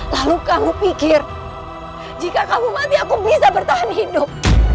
lalu kamu pikir jika kamu mati aku bisa bertahan hidup